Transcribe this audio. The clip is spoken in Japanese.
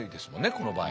この場合。